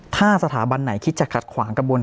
ถ้าสถาบันไหนคิดจะขัดขวางกระบวน